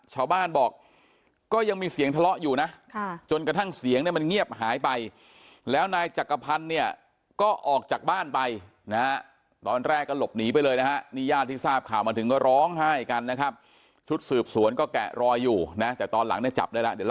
ชาวบ้านบอกก็ยังมีเสียงทะเลาอยู่นะ